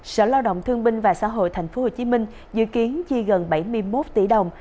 sở lao động thương binh và xã hội tp hcm dự kiến chi gần bảy mươi một tỷ đồng